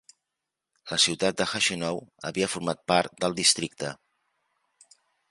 La ciutat de Hachinohe havia format part del districte.